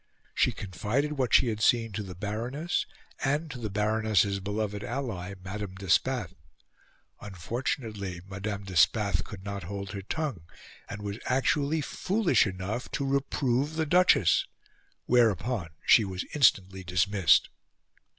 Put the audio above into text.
She confided what she had seen to the Baroness, and to the Baroness's beloved ally, Madame de Spath. Unfortunately, Madame de Spath could not hold her tongue, and was actually foolish enough to reprove the Duchess; whereupon she was instantly dismissed.